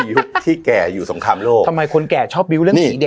ยุคที่แก่อยู่สงครามโลกทำไมคนแก่ชอบบิ้วเรื่องผีเด็ก